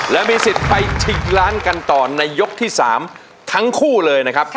และมีสิทธิ์ไปชิงล้านกันต่อในยกที่๓ทั้งคู่เลยนะครับ